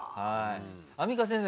アンミカ先生